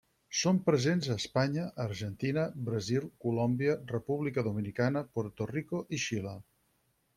Són presents a Espanya, Argentina, Brasil, Colòmbia, República Dominicana, Puerto Rico i Xile.